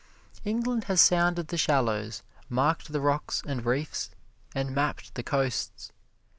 England has sounded the shallows, marked the rocks and reefs, and mapped the coasts.